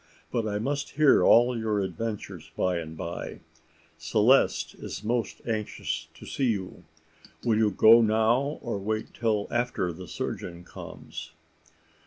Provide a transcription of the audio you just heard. But I must hear all your adventures, by and bye. Celeste is most anxious to see you. Will you go now, or wait till after the surgeon comes?"